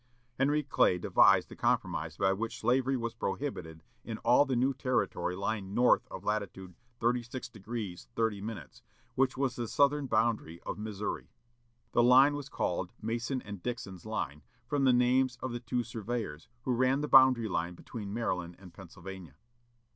Henry Clay devised the compromise by which slavery was prohibited in all the new territory lying north of latitude 36° 30', which was the southern boundary of Missouri. This line was called Mason and Dixon's line, from the names of the two surveyors who ran the boundary line between Maryland and Pennsylvania.